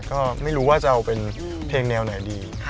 ก็ไม่รู้ว่าจะเอาเป็นเพลงแนวไหนดี